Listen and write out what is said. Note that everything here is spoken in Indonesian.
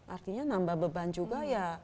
artinya nambah beban juga ya